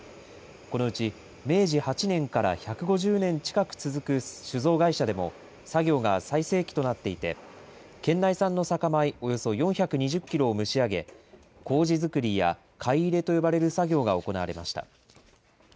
このうち、明治８年から１５０年近く続く酒造会社でも、作業が最盛期となっていて、県内産の酒米およそ４２０キロを蒸し上げ、こうじ作りやかい入れと呼ばれる作業が行われました。